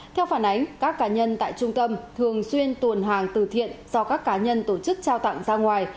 theo phản ánh các cá nhân tại trung tâm thường xuyên tuần hàng từ thiện do các cá nhân tổ chức trao tặng ra ngoài